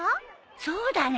そうだね。